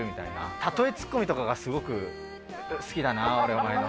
たとえつっこみとかがすごく好きだな、俺は、お前の。